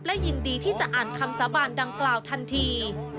และยินดีที่จะอ่านคำสาบานดังกล่าวทันที